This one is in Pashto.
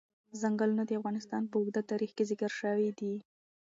ځنګلونه د افغانستان په اوږده تاریخ کې ذکر شوی دی.